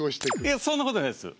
いやそんなことないです。